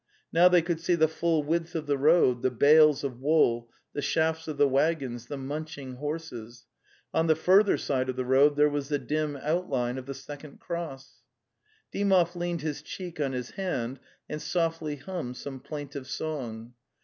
Now they could see the full width of the road, the bales of wool, the shafts of the waggons, the munching horses; on the further side of the road there was the dim outline of the sec ond \cross.)\\.)/.\\. Dymoy leaned his cheek on his hand and softly hummed some plaintive song.